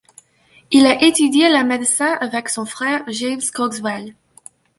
Il a étudié la médecine avec son frère James Cogswell.